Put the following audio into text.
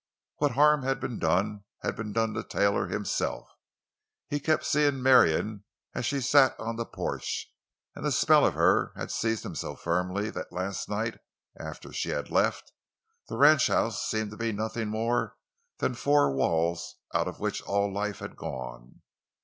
What harm had been done had been done to Taylor himself. He kept seeing Marion as she sat on the porch, and the spell of her had seized him so firmly that last night, after she had left, the ranchhouse had seemed to be nothing more than four walls out of which all the life had gone.